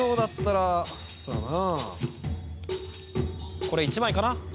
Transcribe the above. これ１まいかな。